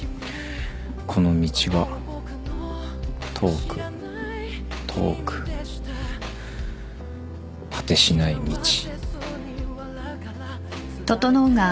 「この道は遠く遠くはてしない道」